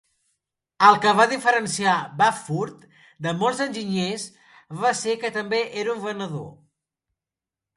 El que va diferenciar Bamford de molts enginyers va ser que també era un venedor.